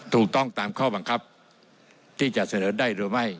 ถูกต้องตามข้อบังคับที่จะเสนอได้หรือไม่